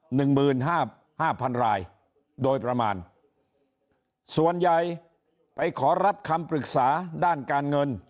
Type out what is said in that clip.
หนึ่งหมื่นห้าห้าพันรายโดยประมาณส่วนใหญ่ไปขอรับคำปรึกษาด้านการเงิน